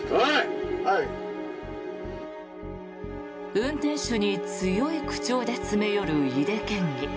運転手に強い口調で詰め寄る井手県議。